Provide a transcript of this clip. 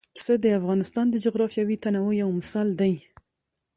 پسه د افغانستان د جغرافیوي تنوع یو مثال دی.